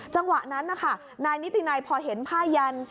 จังหวะนั้นนะคะนายนิตินัยพอเห็นผ้ายัน